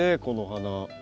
この花。